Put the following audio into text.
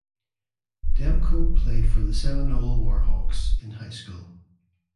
Demko played for the Seminole Warhawks in high school.